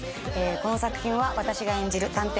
この作品は私が演じる探偵